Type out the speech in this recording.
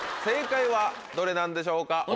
正解はどれなんでしょうか？